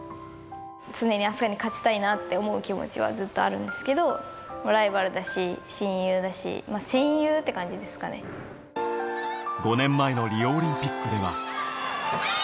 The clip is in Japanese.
常に明日香に勝ちたいなって思う気持ちは、ずっとあるんですけど、ライバルだし、親友だし、５年前のリオオリンピックでは。